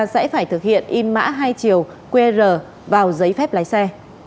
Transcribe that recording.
sẽ phải thực hiện in mã hai chiều qr vào giấy phép lái xe